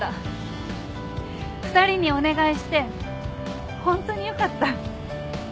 ２人にお願いしてホントによかった。